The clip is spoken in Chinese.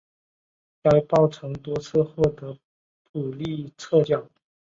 该报曾多次获得普利策奖。